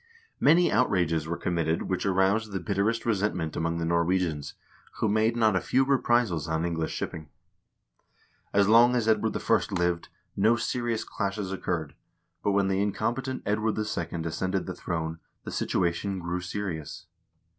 Many outrages were committed which aroused the bitterest resentment among the Nor wegians, who made not a few reprisals on English shipping. As long as Edward I. lived, no serious clashes occurred, but when the incompetent Edward II. ascended the throne, the situation grew serious.